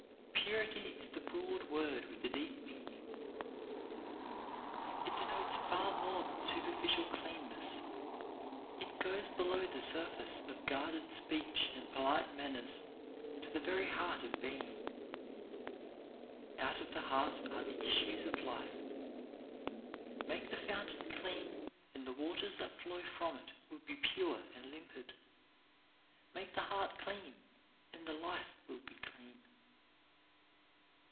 Purity is a broad word with a deep meaning. It denotes far more than superficial cleanness. It goes below the surface of guarded speech and polite manners to the very heart of being. "Out of the heart are the issues of life." Make the fountain clean and the waters that flow from it will be pure and limpid. Make the heart clean and the life will be clean.